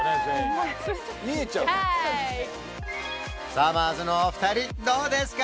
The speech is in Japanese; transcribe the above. さまぁずのお二人どうですか？